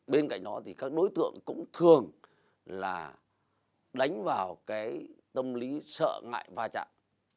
bên cạnh đó thì các đối tượng cũng thường là đánh vào cái tâm lý sợ ngại va chạm